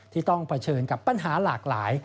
ที่ต้องเผชิญกับปัญหาหลากหลาย